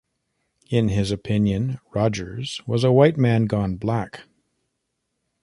In his opinion Rodgers was a "white man gone black".